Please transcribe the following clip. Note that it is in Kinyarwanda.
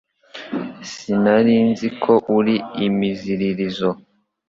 Sinari nzi ko uri imiziririzo